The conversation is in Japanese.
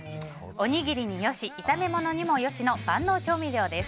おにぎりによし炒めものにもよしの万能調味料です。